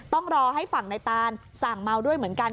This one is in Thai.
ต้องรอให้ฝั่งในตานสั่งเมาด้วยเหมือนกัน